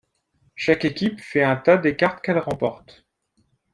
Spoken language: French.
Chaque équipe fait un tas des cartes qu’elle remporte.